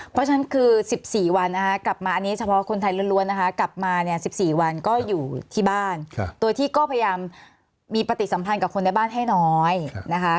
เพราะฉะนั้นคือ๑๔วันนะคะกลับมาอันนี้เฉพาะคนไทยล้วนนะคะกลับมาเนี่ย๑๔วันก็อยู่ที่บ้านโดยที่ก็พยายามมีปฏิสัมพันธ์กับคนในบ้านให้น้อยนะคะ